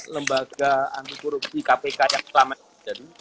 lembaga anti korupsi kpk yang selama ini jadi